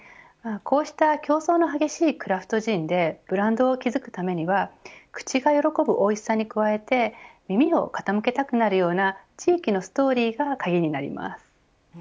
こうした競争の激しいクラフトジンでブランドを築くためには口が喜ぶおいしさに加えて耳を傾けたくなるような地域のストーリーが鍵になります。